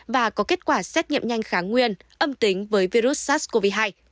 và có kết quả xét nghiệm nhanh kháng nguyên âm tính với virus sars cov hai